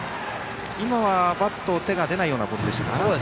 今はバットに手が出ないようなボールでしたか。